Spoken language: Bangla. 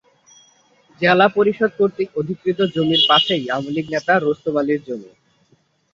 জেলা পরিষদ কর্তৃক অধিকৃত জমির পাশেই আওয়ামী লীগ নেতা রুস্তম আলীর জমি।